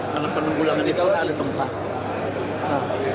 karena penunggulangan itu ada tempat